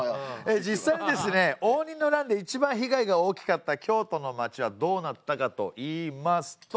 実際にですね応仁の乱でいちばん被害が大きかった京都の町はどうなったかといいますと。